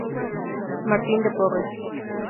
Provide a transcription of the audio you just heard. Martin De Porres.